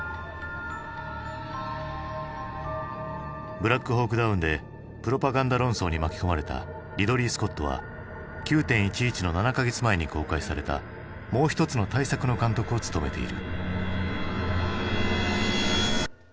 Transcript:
「ブラックホーク・ダウン」でプロパガンダ論争に巻き込まれたリドリー・スコットは９．１１の７か月前に公開されたもう一つの大作の監督を務めている。